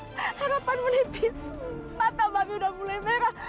harapan menipis mata babi udah mulai merah